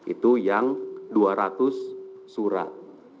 itu yang dua ratus surat